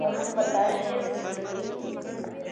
که موږ خپل تاریخ هېر کړو نو ورکېږو.